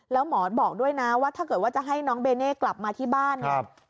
แล้วหมอบอกด้วยนะว่าถ้าเกิดว่าจะให้น้องเบเน่กลับมาที่บ้านเนี่ย